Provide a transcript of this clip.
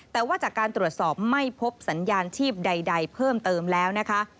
แต่ว่าจากการตรวจสอบไม่พบสัญญาณชีพใดเพิ่มเติมแล้วนะคะ